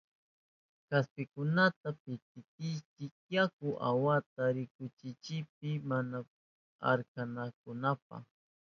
Kaspikunata pitichiy yaku awata rihushkanchipi mana arkanankunapa.